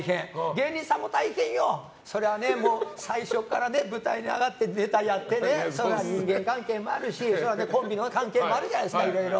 芸人さんも大変よ、そりゃね最初からね、舞台に上がってネタやってね、人間関係もあるしコンビの関係もあるじゃないですか。